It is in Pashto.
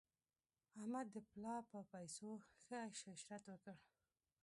احمد د پلا په پیسو ښه عش عشرت وکړ.